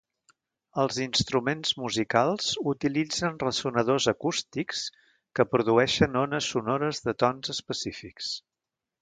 Els instruments musicals utilitzen ressonadors acústics que produeixen ones sonores de tons específics.